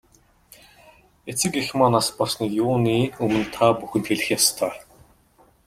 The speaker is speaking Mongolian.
Эцэг эх маань нас барсныг юуны өмнө та бүхэнд хэлэх ёстой.